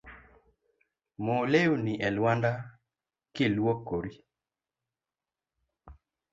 Mo lewni e lwanda ki luokori.